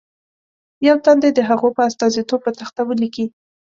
یو تن دې د هغو په استازیتوب په تخته ولیکي.